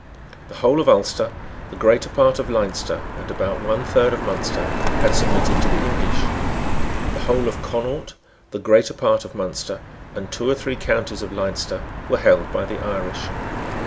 The whole of Ulster, the greater part of Leinster and about one third of Munster had submitted to the English. The whole of Connaught, the greater part of Munster, and two or three counties of Leinster were held by the Irish.